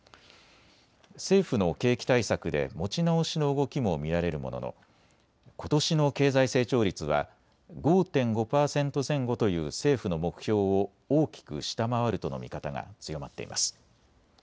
政府の景気対策で持ち直しの動きも見られるもののことしの経済成長率は５．５％前後という政府の目標を大きく下回るとの見方が強まっています。